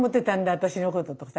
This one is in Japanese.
私のこととかさ